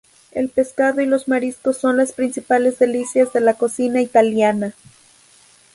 El pescado y los mariscos son las principales delicias de la cocina italiana.